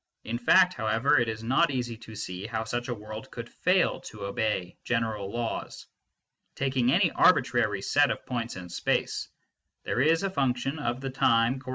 In fact, however, it is not easy to see how such a world could & fail to obey general laws. Taking any arbitrary set .^ of points in space, there is a function of the time corre \j.